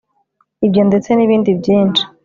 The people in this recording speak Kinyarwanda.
ibyo ndetse nibindi byinshi